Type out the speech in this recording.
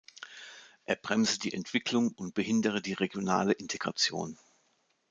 Er bremse die Entwicklung und behindere die regionale Integration.